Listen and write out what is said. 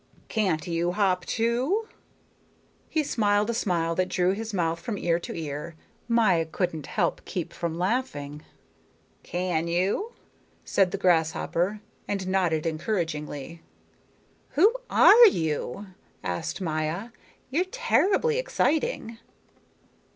Can't you hop, too?" He smiled a smile that drew his mouth from ear to ear. Maya couldn't keep from laughing. "Can you?" said the grasshopper, and nodded encouragingly. "Who are you?" asked Maya. "You're terribly exciting."